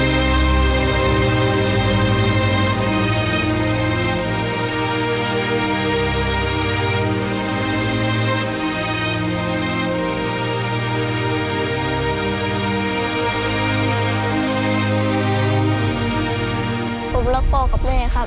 ผมรักพ่อกับแม่ครับ